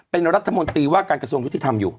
เป็นรัฐมนตรีว่าการกระทรวงยุติธรรมอยู่